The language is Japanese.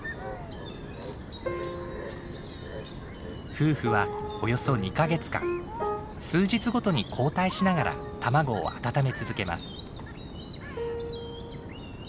夫婦はおよそ２か月間数日ごとに交代しながら卵を温め続けます。